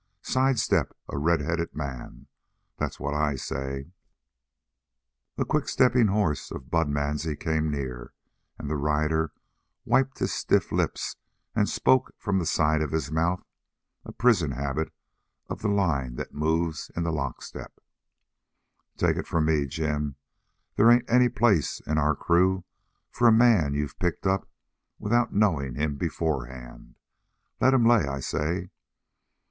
Sidestep a redheaded man. That's what I say." The quick stepping horse of Bud Mansie came near, and the rider wiped his stiff lips, and spoke from the side of his mouth, a prison habit of the line that moves in the lockstep: "Take it from me, Jim, there ain't any place in our crew for a man you've picked up without knowing him beforehand. Let him lay, I say."